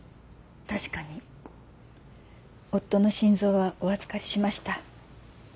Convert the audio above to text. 確かに夫の心臓はお預かりしました。